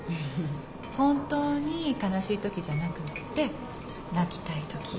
本当に悲しいときじゃなくって泣きたいとき。